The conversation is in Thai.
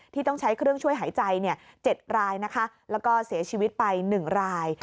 ต้องใช้เครื่องช่วยหายใจ๗รายนะคะแล้วก็เสียชีวิตไป๑ราย